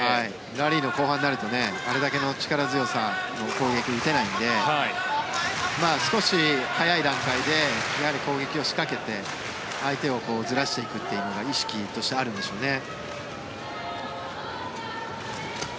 ラリーの後半になるとあれだけの力強さの攻撃を打てないので少し早い段階で攻撃を仕掛けて相手をずらしていくというのが意識としてあるんでしょうね。